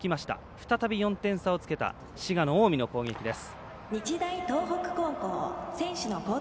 再び４点差をつけた滋賀の近江の攻撃です。